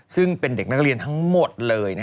ซึ่งเป็นเด็กนักเรียนทั้งหมดเลย